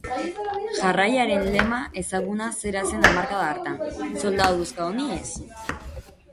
Jarrairen lema ezaguna zera zen hamarkada hartan: Soldaduska honi ez.